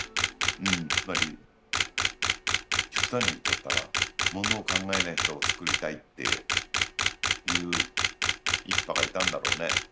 つまり極端に言っちゃったらものを考えない人をつくりたいっていう一派がいたんだろうね。